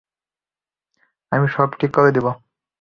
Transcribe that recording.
আমি সব ঠিক করে দিব।